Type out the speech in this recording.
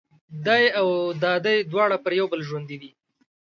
دای او دادۍ دواړه پر یو بل ژوندي دي.